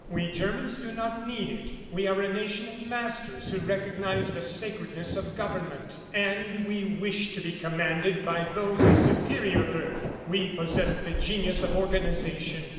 We Germans do not need it. We are a nation of masters who recognize the sacredness of government, and we wish to be commanded by those of superior birth. We possess the genius of organization."